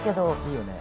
いいよね。